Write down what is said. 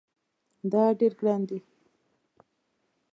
دا ډیر ګران دی